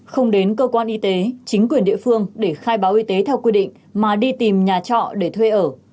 không đến cơ quan y tế chính quyền địa phương để khai báo y tế theo quy định mà đi tìm nhà trọ để thuê ở